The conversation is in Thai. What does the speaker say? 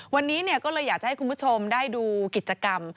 วันนี้ก็เลยอยากจะให้คุณผู้ชมได้ดูกิจกรรม